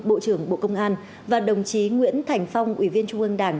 bộ trưởng bộ công an và đồng chí nguyễn thành phong ủy viên trung ương đảng